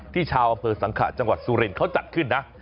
ชาวอำเภอสังขะจังหวัดสุรินทร์เขาจัดขึ้นนะ